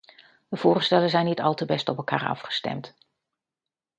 De voorstellen zijn niet al te best op elkaar afgestemd.